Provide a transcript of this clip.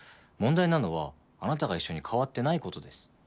問題なのはあなたが一緒に変わってないことです。